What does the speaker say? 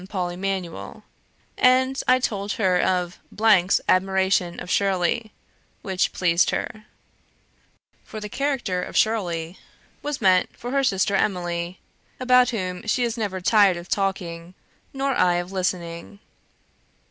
Paul Emanuel; and I told her of 's admiration of 'Shirley,' which pleased her; for the character of Shirley was meant for her sister Emily, about whom she is never tired of talking, nor I of listening.